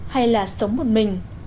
hay là sống một mình